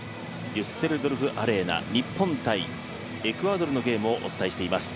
デュッセルドルフ・アレーナ、日本×エクアドルの試合をお伝えしています。